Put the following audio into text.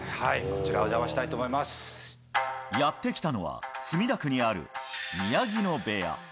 こちら、やって来たのは、墨田区にある宮城野部屋。